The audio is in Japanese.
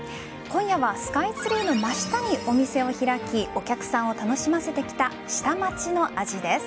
今夜はスカイツリーの真下にお店を開きお客さんを楽しませてきた下町の味です。